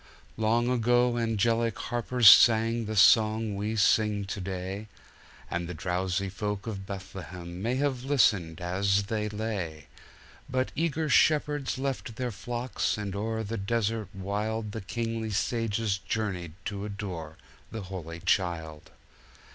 Long ago angelic harpers sang the song we sing to day, And the drowsy folk of Bethlehem may have listened as they lay! But eager shepherds left their flocks, and o'er the desert wildThe kingly sages journeyed to adore the Holy Child!